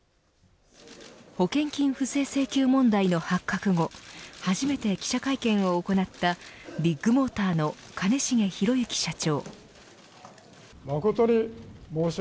保険金不正請求問題の発覚後初めて記者会見を行ったビッグモーターの兼重宏行社長。